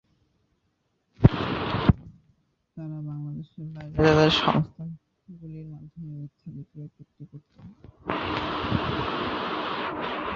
তারা বাংলাদেশের বাইরে তাদের সংস্থাগুলির মাধ্যমে মিথ্যা বিক্রয় চুক্তি করতো।